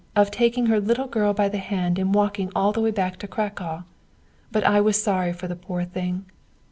of taking her little girl by the hand and walking all the way back to Cracow. But I was sorry for the poor thing.